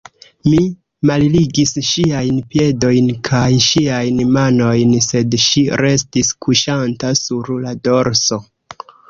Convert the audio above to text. Mi malligis ŝiajn piedojn kaj ŝiajn manojn, sed ŝi restis kuŝanta sur la dorso.